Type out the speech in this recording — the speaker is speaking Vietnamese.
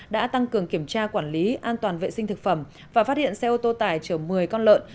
đã tăng cường kiểm tra quản lý an toàn vệ sinh thực phẩm và phát hiện xe ô tô tải chở một mươi con lợn